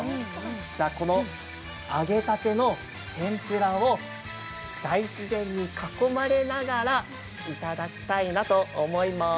この揚げたての天ぷらを大自然に囲まれながらいただきたいなと思います。